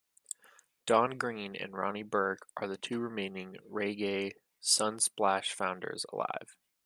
Don Green and Ronnie Burke are the two remaining Reggae Sunsplash founders alive.